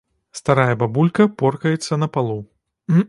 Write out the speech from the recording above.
Старая бабулька поркаецца на палу.